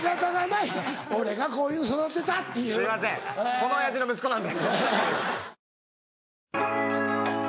この親父の息子なんで。